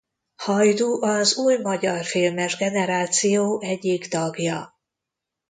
Hajdu az új magyar filmes generáció egyik tagja.